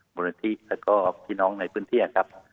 บริเวณที่แล้วก็พี่น้องในพื้นที่นะครับ